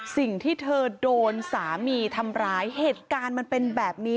สิ่งที่เธอโดนสามีทำร้ายเหตุการณ์มันเป็นแบบนี้